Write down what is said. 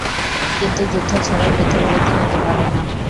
কিন্তু যুদ্ধ ছাড়া যুদ্ধবিরতি হতে পারে না।